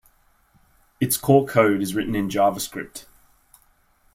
Its core code is written in JavaScript.